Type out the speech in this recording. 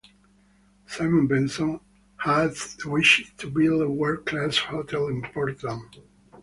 Simon Benson had wished to build a world-class hotel in Portland.